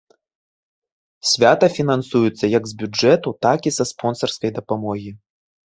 Свята фінансуецца як з бюджэту, так і са спонсарскай дапамогі.